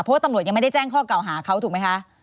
เพราะว่าตำรวจยังไม่ได้แจ้งข้อเก่าหาเขาถูกไหมคะ